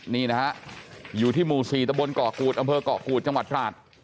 นี่นะฮะอยู่ที่หมู่๔ตะบนเกาะกูดอำเภอกเกาะกูดจังหวัดตราด